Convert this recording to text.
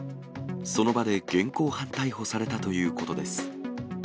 その場で現行犯逮捕されたということです。